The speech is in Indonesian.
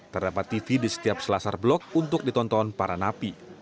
terdapat tv di setiap selasar blok untuk ditonton para napi